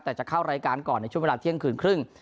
แต่จะเข้ารายการก่อนในช่วงเวลาเที่ยงคืนครึ่ง